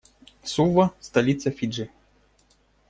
Сува - столица Фиджи.